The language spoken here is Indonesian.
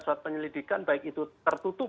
surat penyelidikan baik itu tertutup